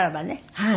はい。